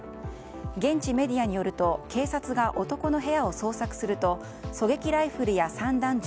現地メディアによると警察が男の部屋を捜索すると狙撃ライフルや散弾銃